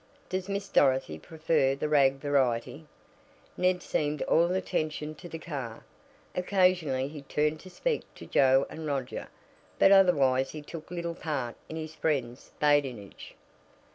Does Miss Dorothy prefer the rag variety?" Ned seemed all attention to the car. Occasionally he turned to speak to Joe and Roger, but otherwise he took little part in his friends' badinage.